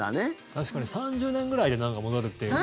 確かに３０年ぐらいで戻るっていうか。